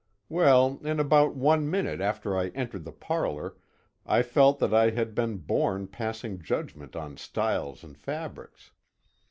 Well, in about one minute after I entered the parlor, I felt that I had been born passing judgment on styles and fabrics.